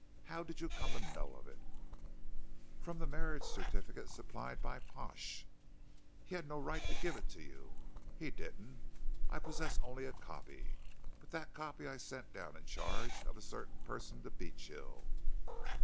"How did you come to know of it?" "From the marriage certificate supplied by Pash." "He had no right to give it to you." "He didn't. I possess only a copy. But that copy I sent down in charge of a certain person to Beechill.